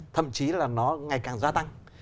thậm chí là nó ngày càng gia tăng